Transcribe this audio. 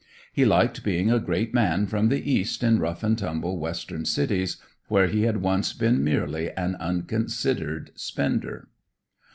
He liked being a great man from the East in rough and tumble Western cities where he had once been merely an unconsidered spender.